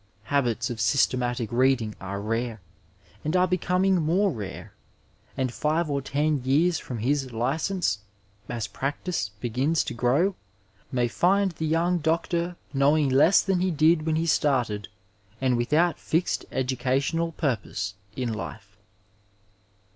Habits of systematic reading are rare, and are becoming more rare, and five or ten years from his license, as practice begins to grow, may find the young doctor knowing less than he did when he started and without fixed educational purpose in life.